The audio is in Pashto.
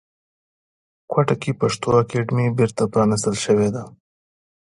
کوټې کې پښتو اکاډمۍ بیرته پرانیستل شوې ده